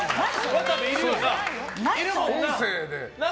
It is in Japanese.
渡部いるもんな。